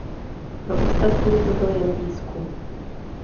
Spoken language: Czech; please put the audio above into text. Pro ostatní to byl jen výzkum.